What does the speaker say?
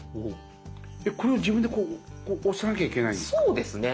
これを自分で押さなきゃいけないんですか？